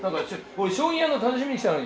俺将棋やるの楽しみに来たのに。